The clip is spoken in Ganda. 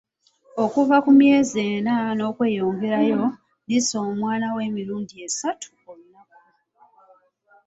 Okuva ku myezi enna n'okweyongerayo, liisa omwana wo emirundi esatu olunaku.